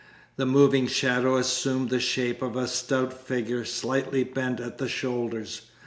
The moving shadow assumed the shape of a stout figure, slightly bent at the shoulders.